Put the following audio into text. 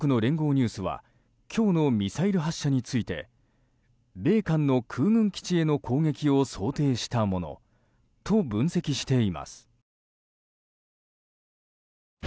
ニュースは今日のミサイル発射について米韓の空軍基地への攻撃を想定したものと分析しています。